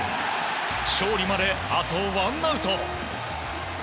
勝利まで、あとワンアウト。